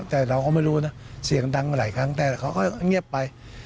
แต่เราก็ไม่รู้นะเสียงดังมาหลายครั้งแต่เขาก็เงียบไป